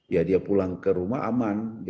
ya dia pulang ke rumah aman